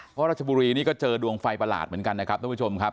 เพราะราชบุรีนี่ก็เจอดวงไฟประหลาดเหมือนกันนะครับทุกผู้ชมครับ